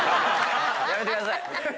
やめてください。